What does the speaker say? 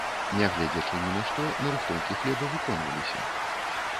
Нягледзячы ні на што, нарыхтоўкі хлеба выконваліся.